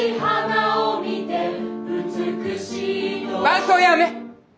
伴奏やめ。